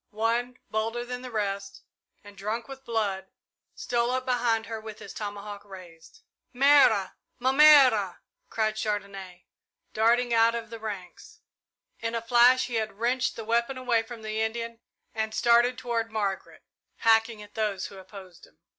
One, bolder than the rest, and drunk with blood, stole up behind her with his tomahawk upraised. "Mère! Ma mère!" cried Chandonnais, darting out of the ranks. In a flash he had wrenched the weapon away from the Indian and started toward Margaret, hacking at those who opposed him.